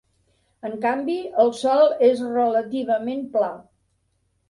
En canvi, el sòl és relativament pla.